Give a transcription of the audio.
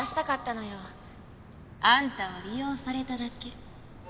あんたは利用されただけ。